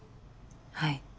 はい。